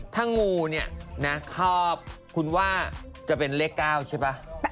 ถ้างูเนี่ยนะคอบคุณว่าจะเป็นเลข๙ใช่ป่ะ